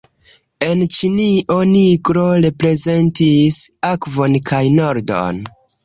En Ĉinio nigro reprezentis akvon kaj nordon.